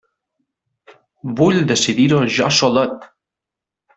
Vull decidir-ho jo solet!